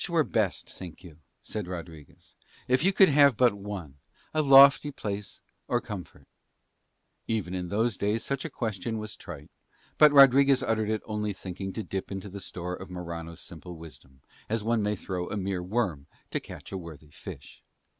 "Which were best, think you," said Rodriguez, "if you could have but one, a lofty place or comfort?" Even in those days such a question was trite, but Rodriguez uttered it only thinking to dip in the store of Morano's simple wisdom, as one may throw a mere worm to catch a worthy fish.